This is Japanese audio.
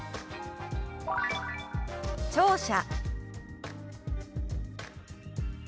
「聴者」。